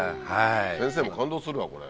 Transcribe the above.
先生も感動するわこれ。